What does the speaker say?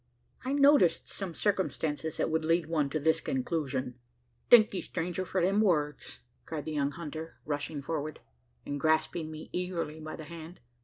I noticed some circumstances that would lead one to this conclusion." "Thank ye, stranger, for them words!" cried the young hunter, rushing forward; and grasping me eagerly by the hand.